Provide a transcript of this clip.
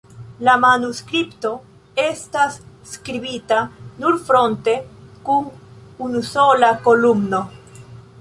La manuskripto estas skribita nur fronte kun unusola kolumno.